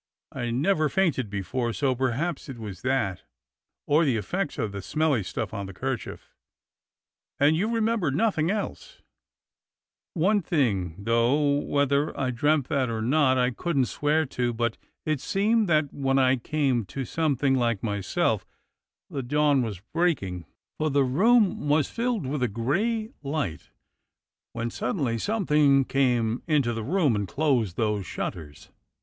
I've never fainted before, so perhaps it was that, or the effects of the smelly stuff on the 'kerchief. " "And you remember nothing else?" THE BOSUN'S STORY 143 "One thing, though whether I dreamt that or not I couldn't swear to, but it seemed that when I come to something Hke myself the dawn was breaking, for the room was filled with a gray light, when suddenly some thing came into the room and closed those shutters.